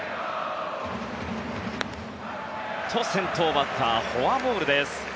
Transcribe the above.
先頭バッターフォアボールです。